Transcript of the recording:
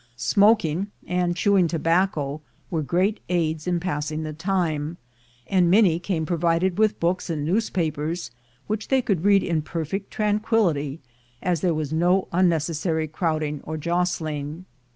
Smoking and chew ing tobacco were great aids in passing the time, and many came provided with books and newspapers, which they could read in perfect tranquillity, as there was no unnecessary crowding or jostling.